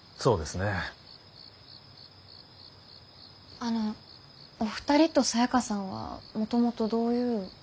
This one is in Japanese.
あのお二人とサヤカさんはもともとどういう。